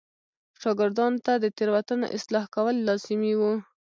شاګردانو ته د تېروتنو اصلاح کول لازمي و.